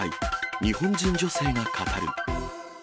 日本人女性が語る。